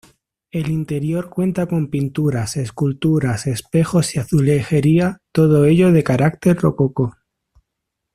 El interior cuenta con pinturas, esculturas, espejos y azulejería, todo ello de carácter rococó.